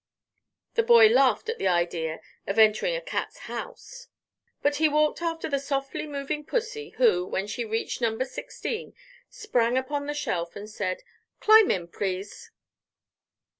The boy laughed at the idea of entering a cat's house, but he walked after the softly moving pussy, who, when she reached number 16, sprang upon the shelf and said: "Climb in, please."